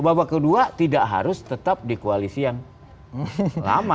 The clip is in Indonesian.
babak kedua tidak harus tetap di koalisi yang lama